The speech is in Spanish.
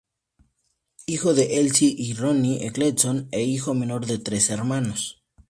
Hijo de Elsie y Ronnie Eccleston e hijo menor de tres hermanos.